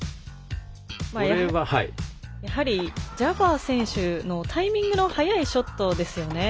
やはり、ジャバー選手のタイミングの速いショットですよね。